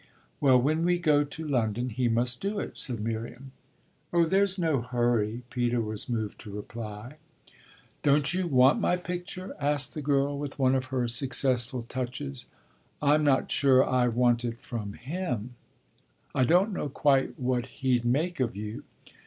"Well, when we go to London he must do it," said Miriam. "Oh there's no hurry," Peter was moved to reply. "Don't you want my picture?" asked the girl with one of her successful touches. "I'm not sure I want it from him. I don't know quite what he'd make of you."